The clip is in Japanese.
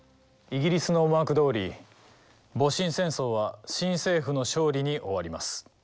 イギリスの思惑どおり戊辰戦争は新政府の勝利に終わります。